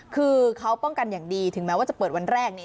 คือเขาป้องกันอย่างดีถึงแม้ว่าจะเปิดวันแรกเนี่ย